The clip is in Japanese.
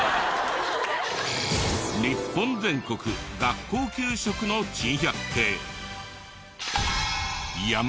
日本全国学校給食の珍百景。